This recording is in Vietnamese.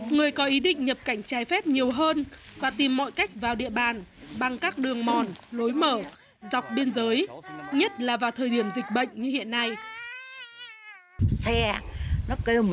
người có ý định nhập cảnh trái phép nhiều hơn và tìm mọi cách vào địa bàn bằng các đường mòn lối mở dọc biên giới